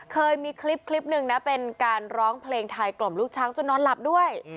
เคยมีคลิปหนึ่งนะเป็นการร้องเพลงไทยกล่อมลูกช้างจนนอนหลับด้วย